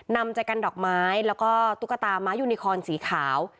นำใจกันดอกไม้แล้วก็ตุ๊กตาม้ายูนิคอนสีขาว